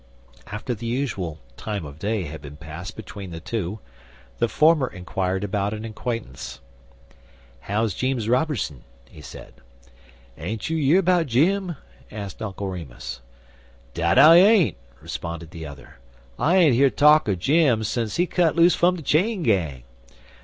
After the usual "time of day" had been passed between the two, the former inquired about an acquaintance. "How's Jeems Rober'son?" he asked. "Ain't you year 'bout Jim?" asked Uncle Remus. "Dat I ain't," responded the other; "I ain't hear talk er Jem sence he cut loose fum de chain gang.